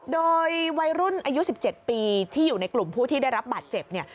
โดยวัยรุ่นอายุ๑๗ปีที่อยู่ในกลุ่มผู้ที่ได้รับบาดเจ็บเนี่ย